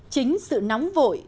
chính sự nóng vội